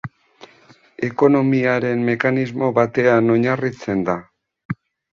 Ekonomiaren mekanismo batean oinarritzen da.